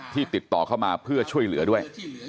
ติดต่อเข้ามาเพื่อช่วยเหลือด้วย